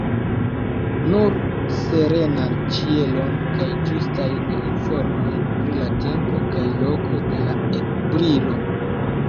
Nur serenan ĉielon kaj ĝustajn informojn pri la tempo kaj loko de la ekbrilo.